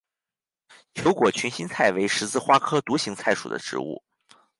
球果群心菜为十字花科独行菜属的植物。